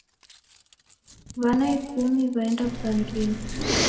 Wana ikumi waenda wughangenyi